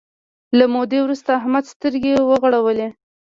له مودې وروسته احمد سترګې وغړولې.